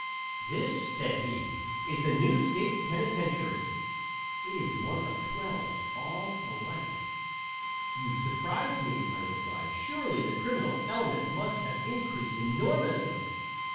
"This," said he, "is the new state penitentiary. It is one of twelve, all alike." "You surprise me," I replied. "Surely the criminal element must have increased enormously."